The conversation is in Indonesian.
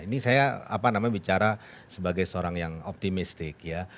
ini saya apa namanya bicara sebagai seorang yang optimistik ya